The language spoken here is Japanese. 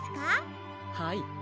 はい。